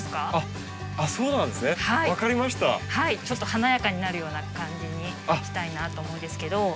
ちょっと華やかになるような感じにしたいなと思うんですけど。